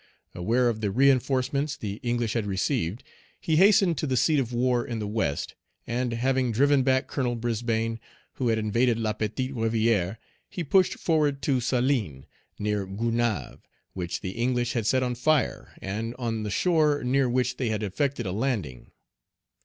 Aware of the reinforcements the English had received, he hastened to the seat of war in the West, and, having driven back Colonel Brisbane, who had invaded La Petite Rivière, he pushed forward to Saline, near Gonaïves, which the English had set on fire, and on the shore near which they had effected a landing.